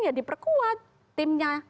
ya diperkuat timnya